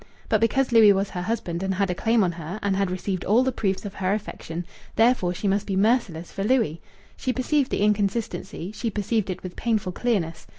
But because Louis was her husband, and had a claim on her, and had received all the proofs of her affection therefore, she must be merciless for Louis! She perceived the inconsistency; she perceived it with painful clearness.